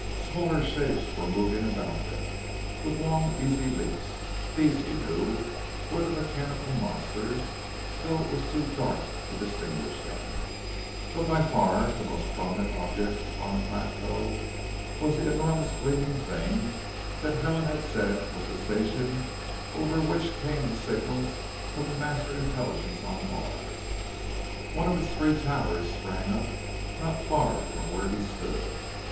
Smaller shapes were moving about them, with long easy leaps. These, he knew, were the mechanical monsters, though it was too dark to distinguish them. But by far the most prominent object upon the plateau was the enormous gleaming thing that Helen had said was the station over which came the signals from the Master Intelligence on Mars. One of its three towers sprang up not far from where he stood.